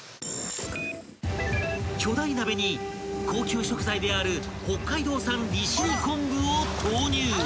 ［巨大鍋に高級食材である北海道産利尻昆布を投入］